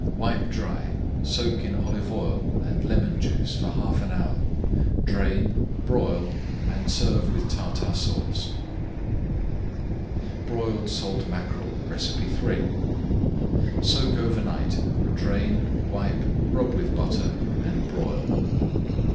Wipe dry, soak in olive oil and lemon juice for half an hour, drain, broil, and serve with Tartar Sauce. [Page 213] BROILED SALT MACKEREL III Soak over night, drain, wipe, rub with butter, and broil.